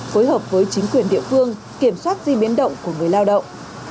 phối hợp với chính quyền địa phương kiểm soát di biến động của người lao động